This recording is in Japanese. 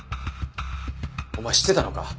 お前知ってたのか？